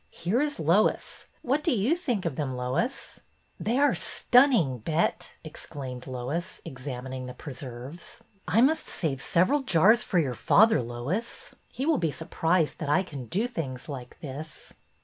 Here is Lois. What do you think of them, Lois ?" They are stunning. Bet," exclaimed Lois, examining the preserves. '' I must save several jars for your father, Lois. He will be surprised that I can do things like this."